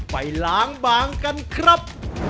ไปล้างบางกันครับ